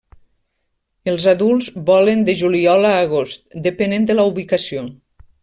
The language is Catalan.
Els adults volen de juliol a agost, depenent de la ubicació.